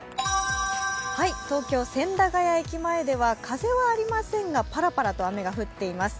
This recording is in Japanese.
東京・千駄ヶ谷駅前では風はありませんが、ぱらぱらと雨が降っています。